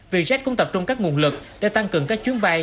việt jet cũng tập trung các nguồn lực để tăng cường các chuyến bay